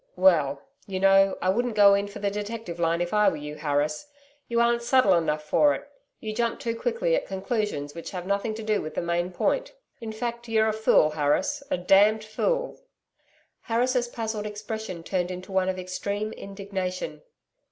'Well, you know, I wouldn't go in for the detective line, if I were you, Harris. You aren't subtle enough for it. You jump too quickly at conclusions which have nothing to do with the main point. In fact, you're a fool, Harris a damned fool.' Harris' puzzled expression turned to one of extreme indignation.